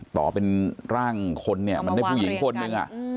ต่อเป็นร่างคนเนี่ยมันได้ผู้หญิงคนนึง